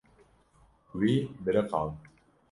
Wî biriqand.